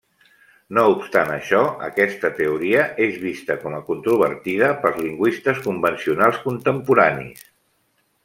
No obstant això, aquesta teoria és vista com a controvertida pels lingüistes convencionals contemporanis.